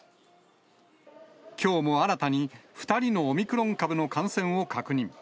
きょうも新たに２人のオミクロン株の感染を確認。